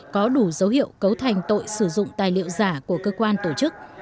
có đủ dấu hiệu cấu thành tội sử dụng tài liệu giả của cơ quan tổ chức